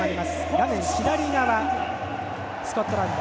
画面左側、スコットランド。